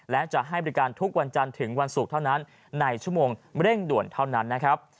และจะให้บริการทุกวันจันทร์ถึงวันศุกร์เท่านั้นในชั่วโมงเร่งด่วนเท่านั้นนะครับ